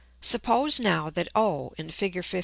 Suppose now that O [in Fig. 15.